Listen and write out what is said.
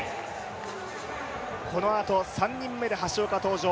このあと３人目で橋岡登場